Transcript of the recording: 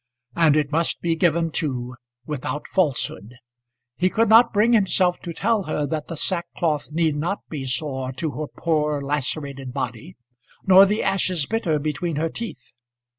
And it must be given, too, without falsehood. He could not bring himself to tell her that the sackcloth need not be sore to her poor lacerated body, nor the ashes bitter between her teeth.